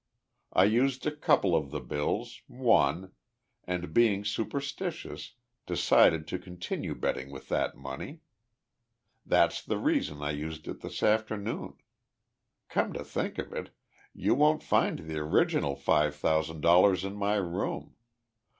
I used a couple of the bills, won, and, being superstitious, decided to continue betting with that money. That's the reason I used it this afternoon. Come to think of it, you won't find the original five thousand dollars in my room.